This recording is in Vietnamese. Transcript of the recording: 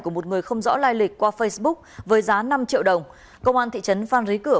của một người không rõ lai lịch qua facebook với giá năm triệu đồng công an thị trấn phan rí cửa